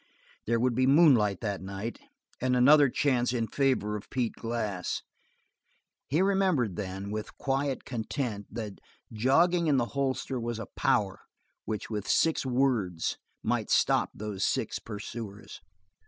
There would be moonlight that night and another chance in favor of Pete Glass. He remembered then, with quiet content, that jogging in the holster was a power which with six words might stop those six pursuers.